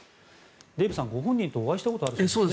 デーブさん、ご本人とお会いしたことがあるんですね。